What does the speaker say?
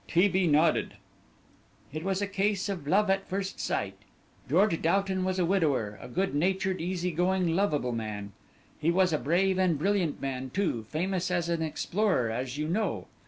T. B. nodded. "It was a case of love at first sight. George Doughton was a widower, a good natured, easy going, lovable man. He was a brave and brilliant man too, famous as an explorer as you know.